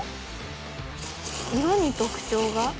色に特徴が？